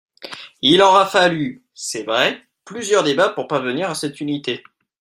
Il aura fallu, c’est vrai, plusieurs débats pour parvenir à cette unité.